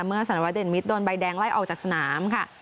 เมื่อสารวัตเด่นมิตรโดนใบแดงไล่ออกจากสนามค่ะ